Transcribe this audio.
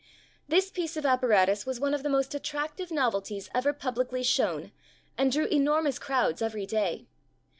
This piece of apparatus was one of the most attractive novelties ever publicly shown and drew enormous crowds every day.